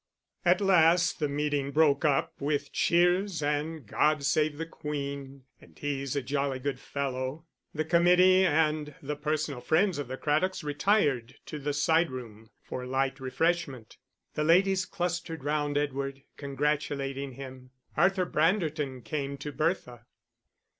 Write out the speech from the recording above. At last the meeting broke up, with cheers, and God save the Queen, and He's a jolly good fellow. The committee and the personal friends of the Craddocks retired to the side room for light refreshment. The ladies clustered round Edward, congratulating him. Arthur Branderton came to Bertha.